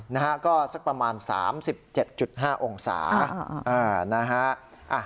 แล้วก็สักประมาณ๓๗๕องศา